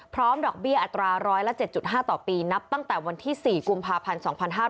พร้อมดอกเบี้ยอัตราร้อยละ๗๕ต่อปีนับตั้งแต่วันที่๔กุมภาพันธ์๒๕๖๑